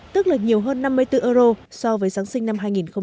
tức là nhiều hơn năm mươi bốn euro so với giáng sinh năm hai nghìn một mươi chín